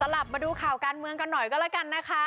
กลับมาดูข่าวการเมืองกันหน่อยก็แล้วกันนะคะ